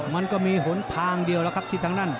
มันก็มีหนทางเดียวที่ทั้งนั้น